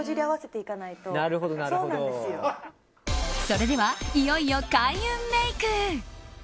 それでは、いよいよ開運メイク。